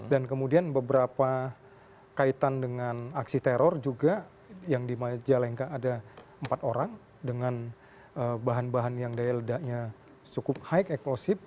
dan kemudian beberapa kaitan dengan aksi teror juga yang di majalengka ada empat orang dengan bahan bahan yang daya ledaknya cukup high ekosip